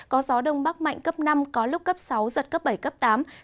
có gió đông bắc mạnh cấp năm có lúc cấp sáu giật cấp bảy cấp tám